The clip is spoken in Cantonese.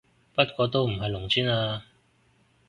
不過都唔係農村嘞